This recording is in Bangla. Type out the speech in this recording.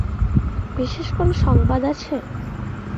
বিশেষ কোনো সংবাদ আছে?